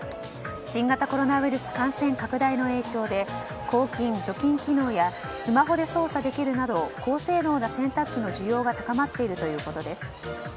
新型コロナウイルス感染拡大の影響で抗菌・除菌機能やスマホで操作できるなど高性能な洗濯機の需要が高まっているということです。